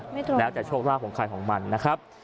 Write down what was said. ไม่ตรงแล้วแต่โชคล่าของใครของมันนะครับ